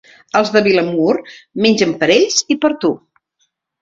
Els de Vilamur, mengen per ells i per tu.